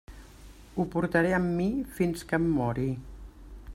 Ho portaré amb mi fins que em mori.